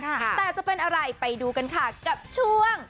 แต่จะเป็นอะไรไปดูกันค่ะกับช่วง